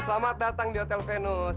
selamat datang di hotel venus